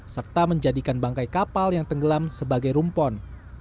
serta menjadikan bangkai kapal yang tenggelam sebagai rumpon